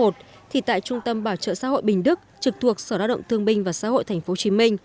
thì tại trung tâm bảo trợ xã hội bình đức trực thuộc sở lao động thương binh và xã hội tp hcm